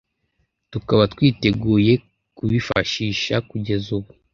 tukaba twiteguye kubifashisha kugeza ubu